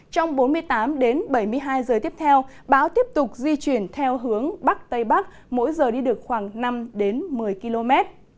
trong bốn mươi tám h đến bảy mươi hai h tiếp theo áp thấp nhiệt đới di chuyển theo hướng bắc tây bắc mỗi giờ đi được khoảng năm một mươi km